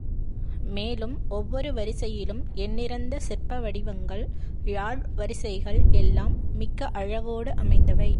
மேலும் ஒவ்வொரு வரிசையிலும் எண்ணிறந்த சிற்பவடிவங்கள், யாழ் வரிசைகள் எல்லாம் மிக்க அழகோடு அமைந்தவை.